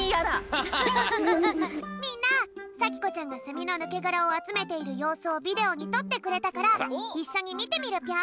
みんなさきこちゃんがセミのぬけがらをあつめているようすをビデオにとってくれたからいっしょにみてみるぴょん！